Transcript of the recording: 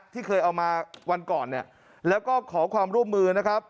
ที่เคยเอามาวันก่อนเนี่ยแล้วก็ขอความร่วมมือนะครับ